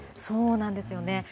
そうなんですよね。